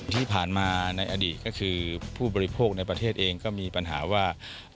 ที่ผ่านมาในอดีตก็คือผู้บริโภคในประเทศเองก็มีปัญหาว่า